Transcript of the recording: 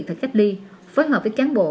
thật cách ly phối hợp với cán bộ